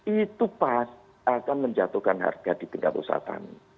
itu pasti akan menjatuhkan harga di bingkai perusahaan